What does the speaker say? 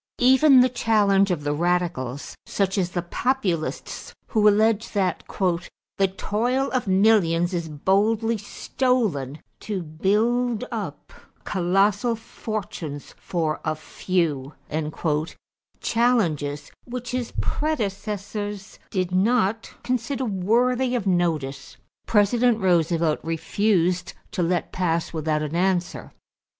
= Even the challenge of the radicals, such as the Populists, who alleged that "the toil of millions is boldly stolen to build up colossal fortunes for a few" challenges which his predecessors did not consider worthy of notice President Roosevelt refused to let pass without an answer.